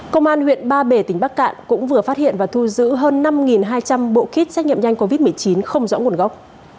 công an huyện ba bể tỉnh bắc cạn cũng vừa phát hiện và thu giữ hơn năm hai trăm linh bộ kit xét nghiệm nhanh covid một mươi chín không rõ nguồn gốc